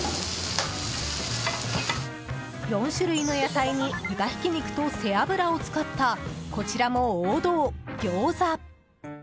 ４種類の野菜に豚ひき肉と背脂を使ったこちらも王道、ギョーザ。